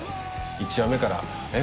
１話目からえっ